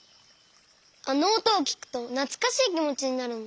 あのおとをきくとなつかしいきもちになるんだ。